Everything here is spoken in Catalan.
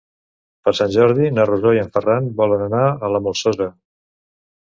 Per Sant Jordi na Rosó i en Ferran volen anar a la Molsosa.